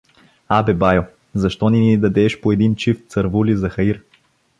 — А бе, байо, защо не ни дадеш по един чифт цървулци, за хаир?